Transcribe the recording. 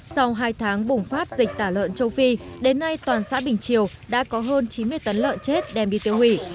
sau hai tháng bùng phát dịch tả lợn châu phi đến nay toàn xã bình triều đã có hơn chín mươi tấn lợn chết đem đi tiêu hủy